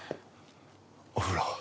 お風呂。